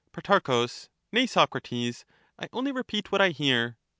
Pro. Nay, Socrates, I only repeat what I hear.